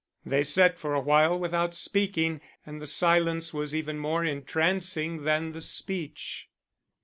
They sat for a while without speaking, and the silence was even more entrancing than the speech.